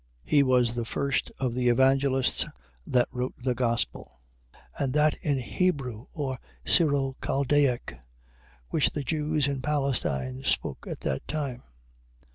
He was the first of the Evangelists that wrote the Gospel, and that in Hebrew or Syro Chaldaic which the Jews in Palestine spoke at that time.